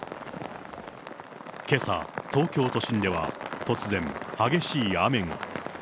けさ、東京都心では突然、激しい雨が。